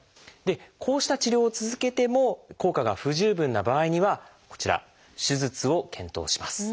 こうした治療を続けても効果が不十分な場合にはこちら手術を検討します。